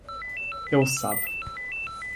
Ele sabe